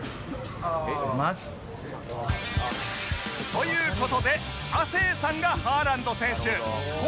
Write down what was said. という事で亜生さんがハーランド選手昴